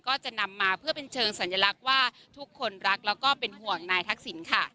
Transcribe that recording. ก็จะนำมาเพื่อเป็นเชิงสัญลักษณ์ว่าทุกคนรักแล้วก็เป็นห่วงนายทักษิณค่ะ